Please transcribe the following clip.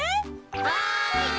はい！